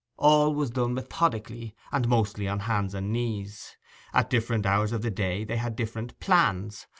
All was done methodically, and mostly on hands and knees. At different hours of the day they had different plans.